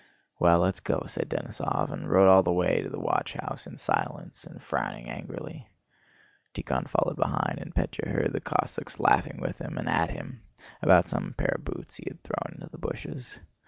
"Well, let's go," said Denísov, and rode all the way to the watchhouse in silence and frowning angrily. Tíkhon followed behind and Pétya heard the Cossacks laughing with him and at him, about some pair of boots he had thrown into the bushes.